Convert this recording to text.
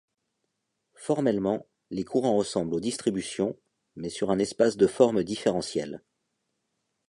Formellement, les courants ressemblent aux distributions, mais sur un espace de formes différentielles.